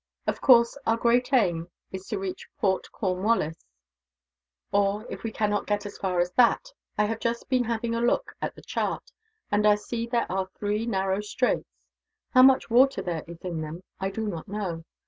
Of course, our great aim is to reach Port Cornwallis; or, if we cannot get as far as that, I have just been having a look at the chart, and I see there are three narrow straits. How much water there is in them, I do not know.